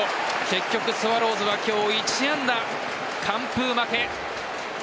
結局スワローズは今日１安打完封負け。